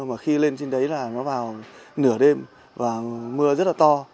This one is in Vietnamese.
mà khi lên trên đấy là nó vào nửa đêm và mưa rất là to